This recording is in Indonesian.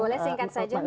boleh singkat saja